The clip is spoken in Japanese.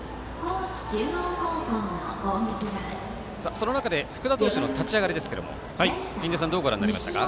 その中で福田投手の立ち上がりですけれども印出さんどうご覧になりましたか。